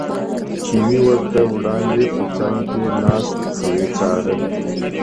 چیني ورته وړاندې په څنګ کې ناست او یې څاره.